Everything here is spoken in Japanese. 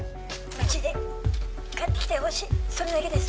無事で帰ってきてほしいそれだけです